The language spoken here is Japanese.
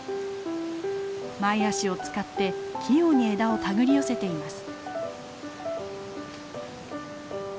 前足を使って器用に枝を手繰り寄せています。